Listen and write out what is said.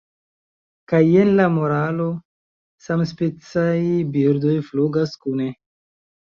Kaj jen la moralo: 'Samspecaj birdoj flugas kune.'"